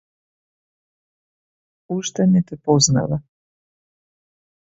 Уште не те познава.